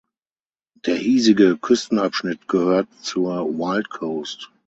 Der hiesige Küstenabschnitt gehört zur Wild Coast.